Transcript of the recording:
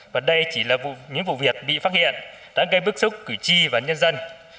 và đây chỉ là những vụ việc bị phát hiện đã gây bức xúc cử tri và nhân dân